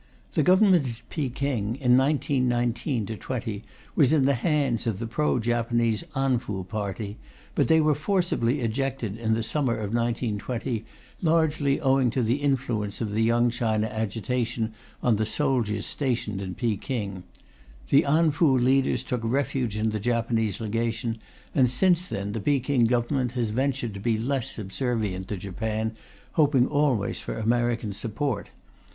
The Government in Peking in 1919 20 was in the hands of the pro Japanese An Fu party, but they were forcibly ejected, in the summer of 1920, largely owing to the influence of the Young China agitation on the soldiers stationed in Peking. The An Fu leaders took refuge in the Japanese Legation, and since then the Peking Government has ventured to be less subservient to Japan, hoping always for American support.